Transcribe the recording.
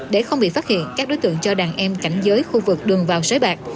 để không bị phát hiện các đối tượng cho đàn em cảnh giới khu vực đường vào sới bạc